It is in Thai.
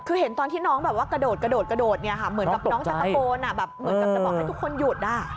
คือเห็นตอนที่น้องกระโดดเหมือนกับน้องจะตะโกนเหมือนกับจะบอกให้ทุกคนหยุด